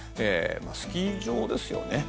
スキー場ですよね。